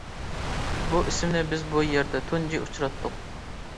بۇ ئىسىمنى بىز بۇ يەردە تۇنجى ئۇچراتتۇق.